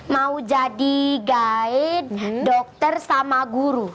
mau jadi guide dokter sama guru